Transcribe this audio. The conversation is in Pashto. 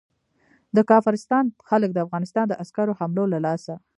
د کافرستان خلک د افغانستان د عسکرو حملو له لاسه.